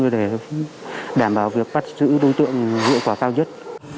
để đảm bảo việc bắt giữ đối tượng hiệu quả cao nhất